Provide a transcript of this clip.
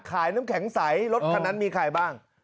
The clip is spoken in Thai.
น้ำแข็งใสรถคันนั้นมีใครบ้าง